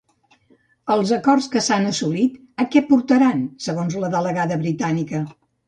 Els acords que s'han assolit a què portaran, segons la delegada britànica?